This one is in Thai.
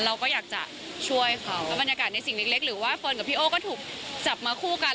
เราก็อยากจะช่วยเขาแล้วบรรยากาศในสิ่งเล็กหรือว่าเฟิร์นกับพี่โอ้ก็ถูกจับมาคู่กัน